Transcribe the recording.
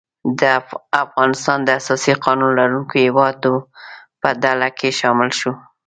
افغانستان د اساسي قانون لرونکو هیوادو په ډله کې شامل شو.